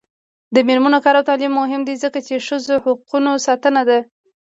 د میرمنو کار او تعلیم مهم دی ځکه چې ښځو حقونو ساتنه ده.